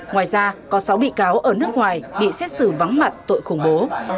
ngoài ra có sáu bị cáo ở nước ngoài bị xét xử vắng mặt tội khủng bố